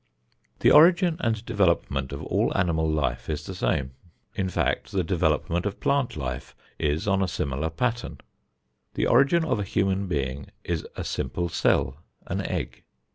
The origin and development of all animal life is the same. In fact, the development of plant life is on a similar pattern. The origin of a human being is a simple cell, an egg.